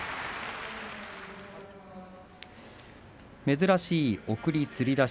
珍しい、送りつり出し。